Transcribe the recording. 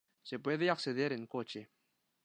Se puede acceder en coche.